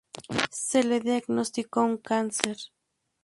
Se le diagnosticó un cáncer.